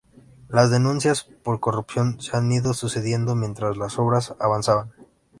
Las denuncias por corrupción se han ido sucediendo mientras las obras avanzaban.